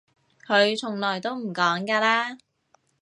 佢從來都唔講㗎啦